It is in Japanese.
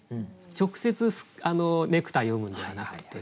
直接ネクタイ詠むんではなくって。